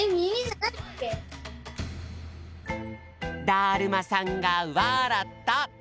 だるまさんがわらった！